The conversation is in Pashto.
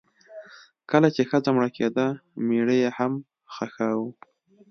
کله چې ښځه مړه کیده میړه یې هم خښاوه.